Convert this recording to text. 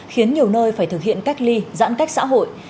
khiến nhiều nơi phải thực hiện cách ly giãn cách xã hội